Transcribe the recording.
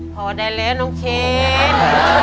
พอได้แล้วน้องเชน